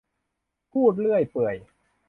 พูดเรื่อยเปื่อย